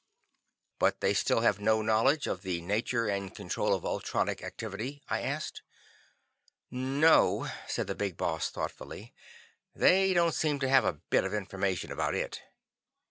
"But they still have no knowledge of the nature and control of ultronic activity?" I asked. "No," said the Big Boss thoughtfully, "they don't seem to have a bit of information about it."